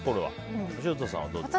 潮田さんはどうですか？